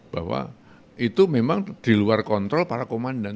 bahwa itu memang di luar kontrol para komandan